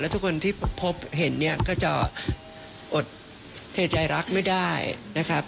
ทุกคนที่พบเห็นเนี่ยก็จะอดเทใจรักไม่ได้นะครับ